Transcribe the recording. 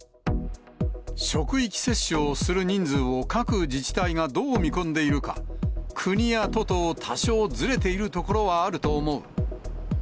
職域接種をする人数を各自治体がどう見込んでいるか、国や都と多少ずれているところはあると思う。